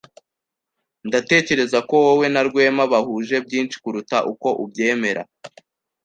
Ndatekereza ko wowe na Rwema bahuje byinshi kuruta uko ubyemera.